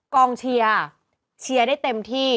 กองเชียร์เชียร์ได้เต็มที่